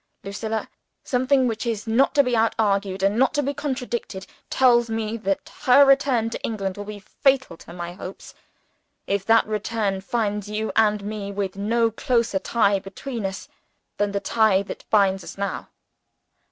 Lucilla! something which is not to be out argued, and not to be contradicted, tells me that her return to England will be fatal to my hopes, if that return finds you and me with no closer tie between us than the tie that binds us now.